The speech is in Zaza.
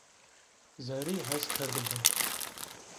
Zerri hes kerdı bı.